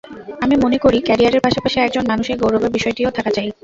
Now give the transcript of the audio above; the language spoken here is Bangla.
আমি মনে করি, ক্যারিয়ারের পাশাপাশি একজন মানুষের গৌরবের বিষয়টিও থাকা চাই।